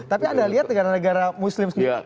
tapi anda lihat negara negara muslim sendiri